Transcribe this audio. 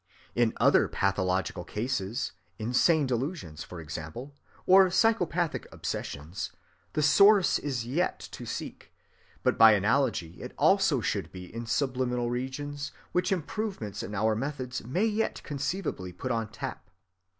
In other pathological cases, insane delusions, for example, or psychopathic obsessions, the source is yet to seek, but by analogy it also should be in subliminal regions which improvements in our methods may yet conceivably put on tap.